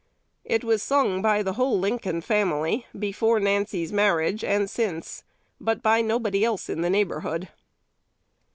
It was sung by the whole Lincoln family, before Nancy's marriage and since, but by nobody else in the neighborhood.